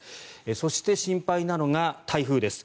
そして心配なのが台風です。